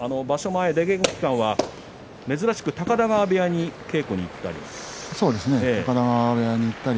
前、稽古期間は珍しく高田川部屋に稽古に来ましたか？